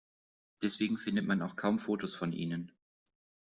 Deswegen findet man auch kaum Fotos von ihnen.